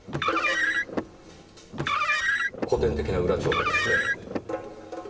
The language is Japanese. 古典的な裏帳簿ですねぇ。